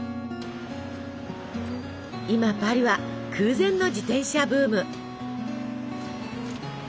今パリは空前の自転車ブーム。